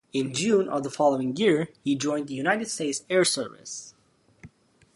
In June of the following year, he joined the United States Air Service.